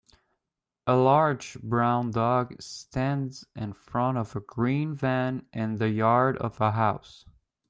A large brown dog stands in front of a green van in the yard of a house.